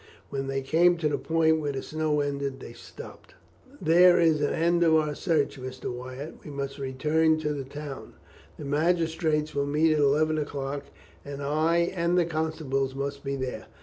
When they came to the point where the snow ended they stopped. "There is an end of our search, Mr. Wyatt. We must return to the town. The magistrates will meet at eleven o'clock, and I and the constables must be there.